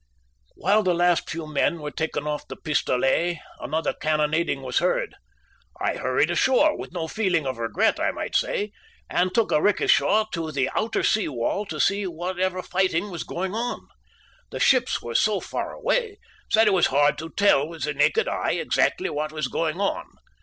"While the last few men were taken off the Pistolet, another cannonading was heard. I hurried ashore, with no feeling of regret, I might say, and took a rikisha to the outer sea wall to see whatever fighting was going on. The ships were so far away that it was hard to tell with the naked eye exactly what was going on.